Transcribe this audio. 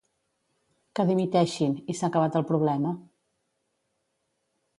Que dimiteixin, i s’ha acabat el problema.